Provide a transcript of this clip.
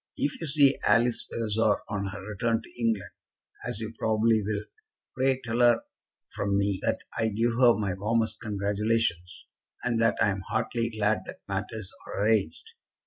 If you see Alice Vavasor on her return to England, as you probably will, pray tell her from me that I give her my warmest congratulations, and that I am heartily glad that matters are arranged.